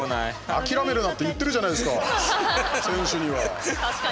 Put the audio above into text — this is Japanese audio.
「諦めるな」って言ってるじゃないですか、選手には。